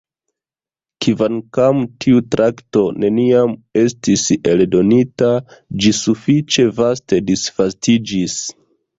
Kvankam tiu traktato neniam estis eldonita, ĝi sufiĉe vaste disvastiĝis.